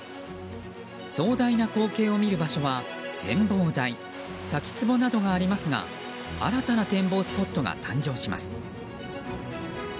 壮大な光景を見る場所は展望台、滝つぼなどがありますが新たな展望スポットが誕生します。